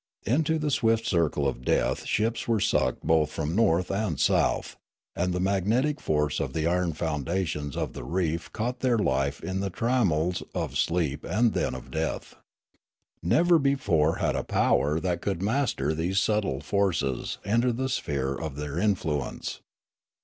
Into the swift circle of death ships were sucked both from north and south, and the magnetic force of the iron founda tions of the reef caught their life in the trammels of sleep and then of death. Never before had a power that could master these subtle forces entered the sphere of their influence.